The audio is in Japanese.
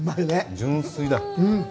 純粋だ。